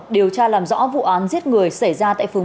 điều tra làm rõ vụ án giết người xảy ra tại phòng